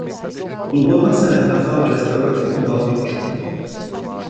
Klubovna se nacházela v restauraci U Pavlíčků.